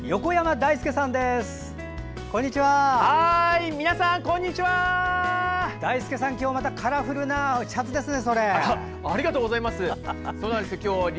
だいすけさん、今日はまたカラフルなシャツですね。